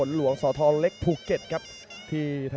แล้วต่อพิกัดได้ครับทุกคนนะครับทุกคนนะครับ